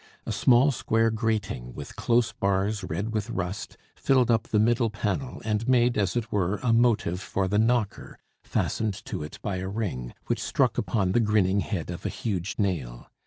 A small square grating, with close bars red with rust, filled up the middle panel and made, as it were, a motive for the knocker, fastened to it by a ring, which struck upon the grinning head of a huge nail.